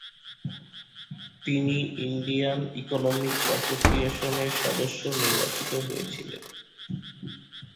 তিনি Indian economic অ্যাসোসিয়েশনের সদস্য নির্বাচিত হয়েছিলেন।